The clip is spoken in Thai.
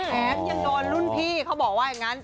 แถมยังโดนรุ่นพี่เขาบอกว่าอย่างนั้น